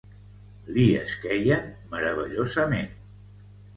Li esqueien meravellosament.